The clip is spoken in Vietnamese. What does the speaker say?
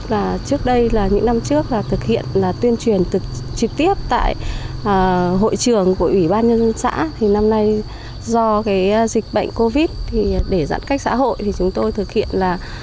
và trước đây là những năm trước là thực hiện là tuyên truyền trực tiếp tại hội trường của ủy ban nhân dân xã thì năm nay do cái dịch bệnh covid thì để giãn cách xã hội thì chúng tôi thực hiện là